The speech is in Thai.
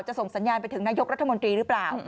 ส่งสัญญาณไปถึงนายกรัฐมนตรีหรือเปล่า